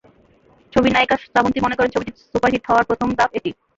ছবির নায়িকা শ্রাবন্তী মনে করেন, ছবিটি সুপার হিট হওয়ার প্রথম ধাপ এটি।